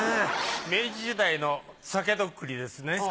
明治時代の酒徳利ですね。